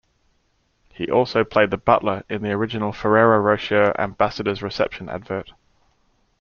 He also played the butler in the original Ferrero Rocher Ambassador's reception advert.